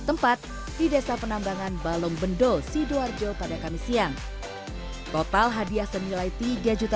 tempat di desa penambangan balong bendol sidoarjo pada kamis siang total hadiah senilai tiga juta